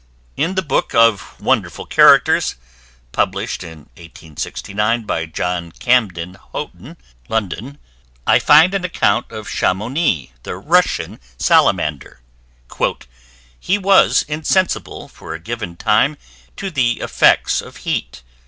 In The Book of Wonderful Characters, published in 1869 by John Camden Hotten, London, I find an account of Chamouni, the Russian Salamander: "He was insensible, for a given time, to the effects of heat.